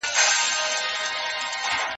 که پهلواني وکړو نو عنعنه نه مري.